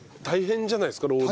大変じゃないですか？